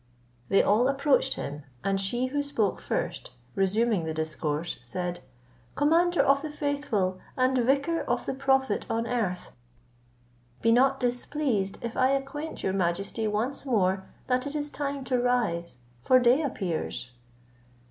They all approached him, and she who spoke first, resuming the discourse, said, "Commander of the faithful, and vicar of the prophet on earth, be not displeased if I acquaint your majesty once more that it is time to rise, for day appears."